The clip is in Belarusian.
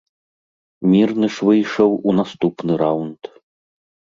Мірны ж выйшаў у наступны раўнд.